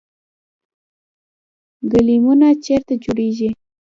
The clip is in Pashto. ګلیمونه چیرته جوړیږي؟